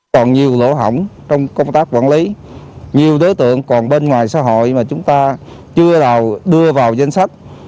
còn nhiều lỗ hổng trong công tác quản lý nhiều đối tượng còn bên ngoài xã hội mà chúng ta chưa nào đưa vào danh sách